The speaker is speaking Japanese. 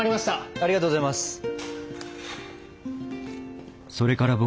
ありがとうございます。